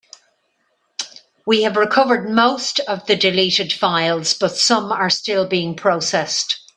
We have recovered most of the deleted files, but some are still being processed.